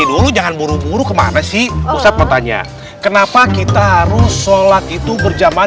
dulu jangan buru buru kemana sih pusat mau tanya kenapa kita harus sholat itu berjamaah